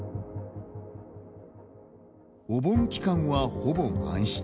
お盆期間は、ほぼ満室。